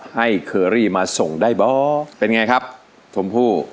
เคอรี่มาส่งได้บ่เป็นไงครับชมพู่